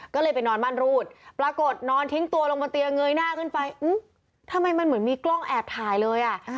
ก็เลยไปนอนม่านรูดปรากฏนอนทิ้งตัวลงบนเตียงเงยหน้าขึ้นไปทำไมมันเหมือนมีกล้องแอบถ่ายเลยอ่ะ